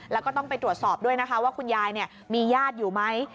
แล้วก็ต้องไปตรวจสอบด้วยนะคะว่าคุณยายมีญาติอยู่ไหม